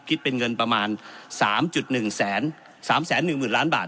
คิดเป็นเงินประมาณสามจุดหนึ่งแสนสามแสนหนึ่งหมื่นล้านบาท